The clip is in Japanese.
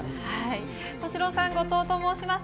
敏郎さん、後藤と申します。